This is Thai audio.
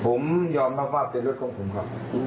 ผมยอมรับว่าเป็นรถของผมครับ